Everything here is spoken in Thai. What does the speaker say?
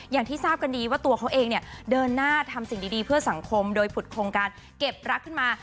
อย่างที่ทราบกันดีว่าตัวเขาเองเนี่ยเดินหน้าทำสิ่งดีเพื่อสังคมโดยผุดโครงการเก็บรักขึ้นมา